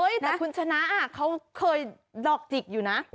แต่คุณชนะเขาเคยดอกจิกอยู่นะ